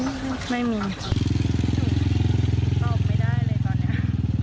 ออกไม่ได้เลยตอนนี้